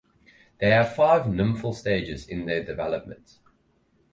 They have five nymphal stages in their development.